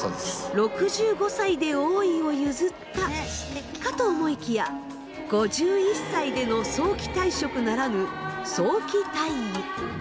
６５歳で王位を譲ったかと思いきや５１歳での早期退職ならぬ早期退位。